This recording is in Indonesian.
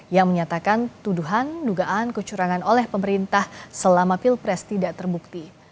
yang menyatakan tuduhan dugaan kecurangan oleh pemerintah selama pilpres tidak terbukti